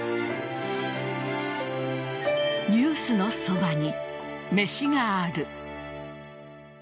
「ニュースのそばに、めしがある。」